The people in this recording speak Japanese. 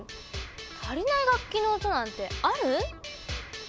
足りない楽器の音なんてある？